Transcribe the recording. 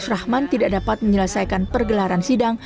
ternyata sidang tidak dapat menyelesaikan pergelaran sidang